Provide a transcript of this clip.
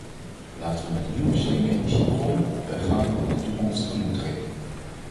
Laten we met nieuwe slimme energiebronnen op weg gaan en de toekomst tegemoet treden!